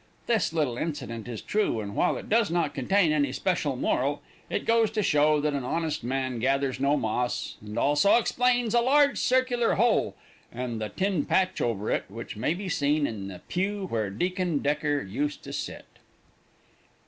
"This little incident is true, and while it does not contain any special moral, it goes to show that an honest man gathers no moss, and also explains a large circular hole, and the tin patch over it, which may still be seen in the pew where Deacon Decker used to sit."